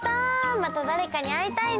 まただれかにあいたいね。